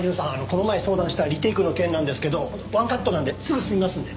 この前相談したリテイクの件なんですけどワンカットなんですぐ済みますんで。